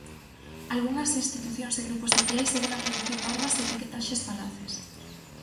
Algunhas institucións e grupos sociais seguen a producir normas e etiquetaxes falaces.